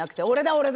俺だ！